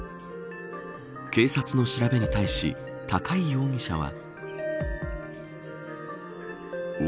警察の調べに対し高井容疑者は。